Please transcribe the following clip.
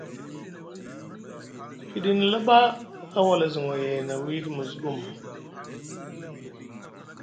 Fiɗini laɓa a wala zi ŋoyay na wiiɗi musgum.